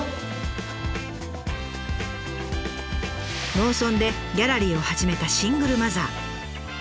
農村でギャラリーを始めたシングルマザー。